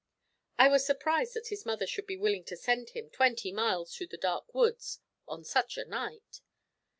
I was surprised that his mother should be willing to send him twenty miles through the dark woods on such a night.